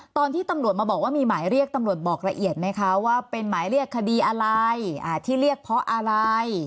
ตอนที่ตำรวจมาบอกว่ามีหมายเรียกตำรวจบอกละเอียดไหมคะว่าเป็นหมายเรียกคดีอะไรที่เรียกเพราะอะไร